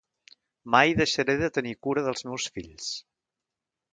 Mai deixaré de tenir cura dels meus fills.